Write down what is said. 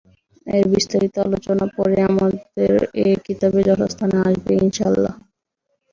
এর বিস্তারিত আলোচনা পরে আমাদের এ কিতাবের যথাস্থানে আসবে ইনশাআল্লাহ।